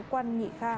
quan nhị khai